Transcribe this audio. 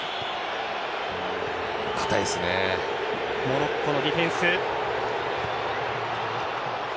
モロッコのディフェンス。